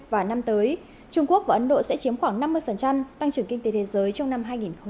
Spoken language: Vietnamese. và năm tới trung quốc và ấn độ sẽ chiếm khoảng năm mươi tăng trưởng kinh tế thế giới trong năm hai nghìn hai mươi